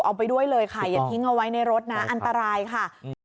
เอาไปด้วยเลยค่ะอย่าทิ้งเอาไว้ในรถนะอันตรายค่ะอืม